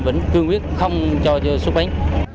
vẫn cương quyết không cho xuất bến